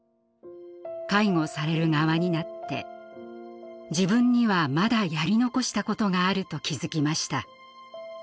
介護される側になって自分にはまだやり残したことがあると気付きました。